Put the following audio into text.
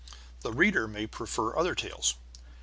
The reader may prefer other tales.